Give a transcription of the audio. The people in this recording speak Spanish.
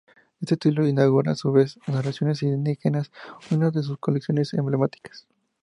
Este título inaugura, a su vez, Narraciones indígenas, una de sus colecciones emblemáticas.